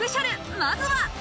まずは。